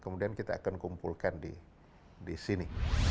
kemudian kita akan kumpulkan di sini